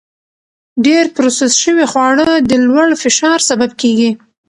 ډېر پروسس شوي خواړه د لوړ فشار سبب کېږي.